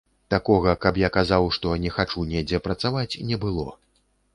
Такога, каб я казаў, што не хачу недзе працаваць, не было.